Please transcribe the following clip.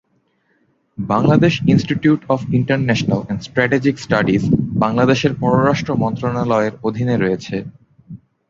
Bangladesh institute of international and strategic studies বাংলাদেশের পররাষ্ট্র মন্ত্রণালয়ের অধীনে রয়েছে।